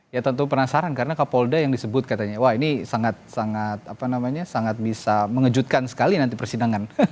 ya tentu penasaran karena kapolda yang disebut katanya wah ini sangat sangat bisa mengejutkan sekali nanti persidangan